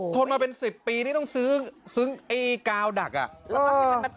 ทนมาเป็น๑๐ปีนี่ต้องซื้อไอ้กาวดักอ่ะ